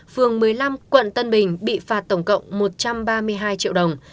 phường một mươi năm quận tân bình bị phạt tổng cộng một trăm ba mươi hai triệu đồng